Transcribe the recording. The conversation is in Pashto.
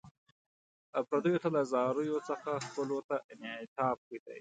پردیو ته له زاریو څخه خپلو ته انعطاف ښه دی.